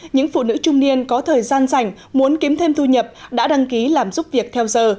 những phụ nữ trung niên có thời gian dành muốn kiếm thêm thu nhập đã đăng ký làm giúp việc theo giờ